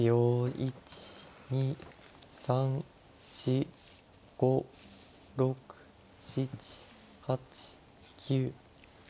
１２３４５６７８９。